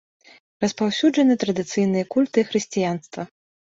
Распаўсюджаны традыцыйныя культы і хрысціянства.